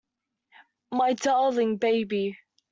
My darling baby.